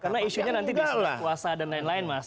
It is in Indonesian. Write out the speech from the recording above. karena isunya nanti disuruh kuasa dan lain lain mas